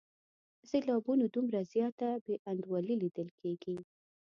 د سېلابونو دومره زیاته بې انډولي لیدل کیږي.